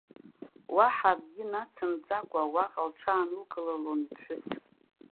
Уаҳа акагьы нацымҵакәа, уаҟа лҽаанылкылалон иԥҳәыс.